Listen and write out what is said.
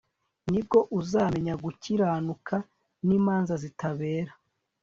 Ni bwo uzamenya gukiranuka nimanza zitabera